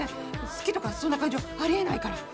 好きとかそんな感情あり得ないから。